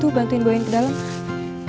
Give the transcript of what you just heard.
aku bantuin boin ke dalam